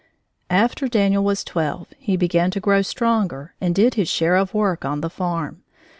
After Daniel was twelve, he began to grow stronger and did his share of work on the farm.